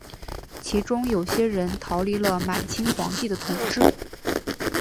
其中有些人逃离了满清皇帝的统治。